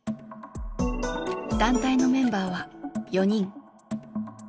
団体のメンバーは４人。